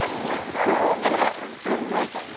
存在感が。